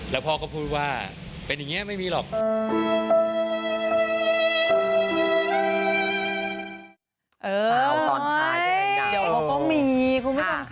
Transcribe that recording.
แล้วพ่อก็พูดว่าเป็นอย่างนี้ไม่มีหรอก